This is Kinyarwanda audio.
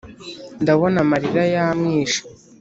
ndabona amarira yamwishe